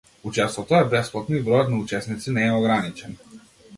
Учеството е бесплатно и бројот на учесници не е ограничен.